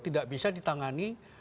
tidak bisa ditangani